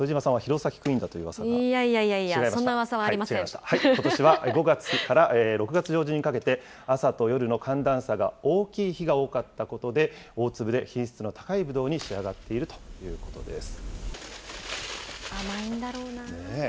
いやいやいやいや、そんなうことしは５月から６月上旬にかけて、朝と夜の寒暖差が大きい日が多かったことで、大粒で品質の高いブドウに仕上がっているということです。